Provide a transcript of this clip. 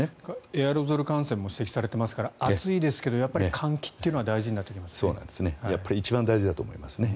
エアロゾル感染も指摘されていますから暑いですが換気というのは大事になってきますね。